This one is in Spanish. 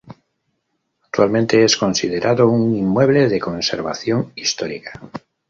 Actualmente es considerado un Inmueble de Conservación Histórica.